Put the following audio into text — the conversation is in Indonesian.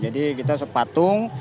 jadi kita sepatung